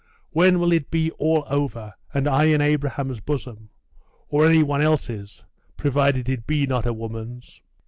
When will it be all over, and I in Abraham's bosom or any one else's, provided it be not a woman's?